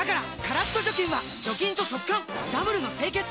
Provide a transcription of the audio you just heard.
カラッと除菌は除菌と速乾ダブルの清潔！